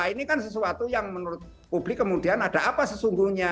ini kan sesuatu yang menurut publik kemudian ada apa sesungguhnya